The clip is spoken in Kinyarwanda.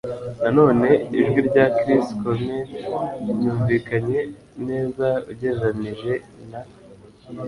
Nanone, ijwi rya Chris Cornell ryumvikanye neza ugereranije na .